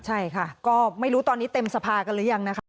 ใช่ค่ะก็ไม่รู้ตอนนี้เต็มสภากันหรือยังนะคะ